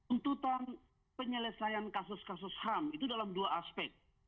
tuntutan penyelesaian kasus kasus ham itu dalam dua aspek